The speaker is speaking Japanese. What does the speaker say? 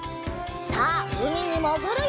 さあうみにもぐるよ！